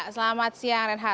selamat siang renha